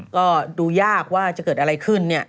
ก็ดูยากว่าจะเกิดอะไรขึ้น